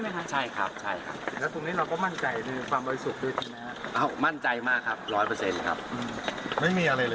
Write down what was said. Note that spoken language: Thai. มีการเสียภาษีไหมครับ